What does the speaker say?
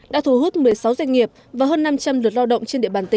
đã thu hút một mươi sáu doanh nghiệp và hơn năm trăm linh lượt loại